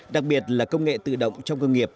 đặc biệt là công nghệ tự động trong công nghiệp